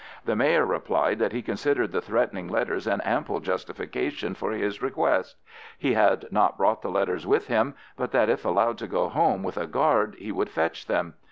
The Mayor replied that he considered the threatening letters an ample justification for his request; he had not brought the letters with him, but that if allowed to go home with a guard he would fetch them.